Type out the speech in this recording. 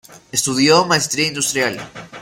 Estudió maestría industrial.